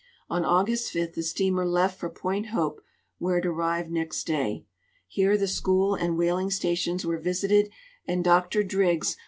On August 5 the steamer left for point Hope, where it arrived next day. Here the school and whaling stations were visited, and Dr Driggs.